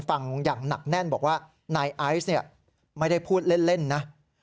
ฟังอย่างหนักแน่นบอกว่านายไอซ์เนี่ยไม่ได้พูดเล่นนะ